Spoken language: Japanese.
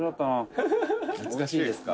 「懐かしいですか？」